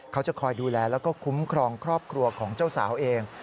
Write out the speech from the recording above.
เขาจะคอยดูแลแล้วก็คุ้มครองครอบครัวของเจ้าสาวเอง